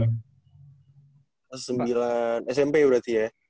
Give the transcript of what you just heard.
sembilan smp berarti ya